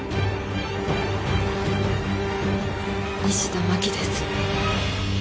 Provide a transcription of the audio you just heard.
西田真紀です。